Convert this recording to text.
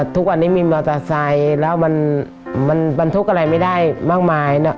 ทุกวันนี้มีมอเตอร์ไซค์แล้วมันบรรทุกอะไรไม่ได้มากมาย